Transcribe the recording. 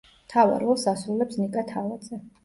მთავარ როლს ასრულებს ნიკა თავაძე.